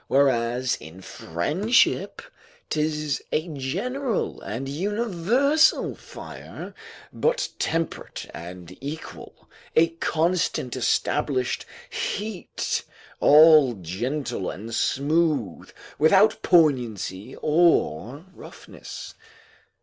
Whereas in friendship, 'tis a general and universal fire, but temperate and equal, a constant established heat, all gentle and smooth, without poignancy or roughness.